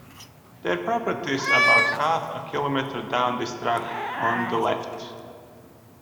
Their property is about half a kilometre down this track, on the left.